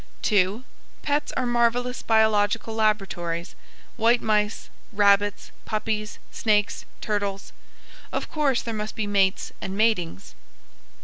2. Pets are marvelous biological laboratories white mice, rabbits, puppies, snakes, turtles. Of course there must be mates and matings.